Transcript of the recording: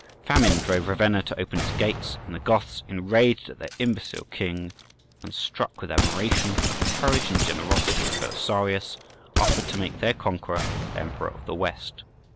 Famine drove Ravenna to open its gates, and the Goths, enraged at their imbecile king, and struck with admiration for the courage and generosity of Belisarius, offered to make their conqueror Emperor of the West.